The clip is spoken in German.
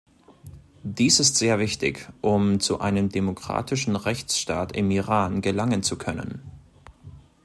Dies ist sehr wichtig, um zu einem demokratischen Rechtsstaat im Iran gelangen zu können.